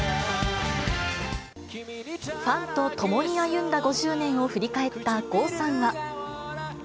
ファンと共に歩んだ５０年を振り返った郷さんは。